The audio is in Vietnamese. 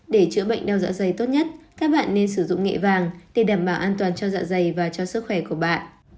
để chữa bệnh đeo dạ dày tốt nhất các bạn nên sử dụng nghệ vàng để đảm bảo an toàn cho dạ dày và cho sức khỏe của bạn